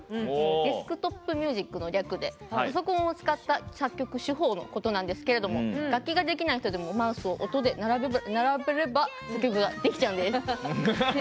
「デスクトップミュージック」の略でパソコンを使った作曲手法のことなんですけれども楽器ができない人でもマウスで音を並べれば作曲ができちゃうんです。